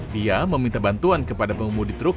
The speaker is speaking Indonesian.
dia meminta bantuan kepada pengemudi truk